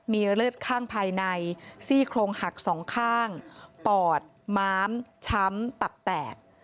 มีเลือดข้างภายในซี่โครงหักสองข้างปอดม้ามช้ำตับแตก